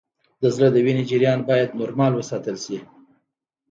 د زړه د وینې جریان باید نورمال وساتل شي